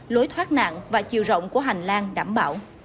lối thoát nạn và chiều rộng của hành lang đảm bảo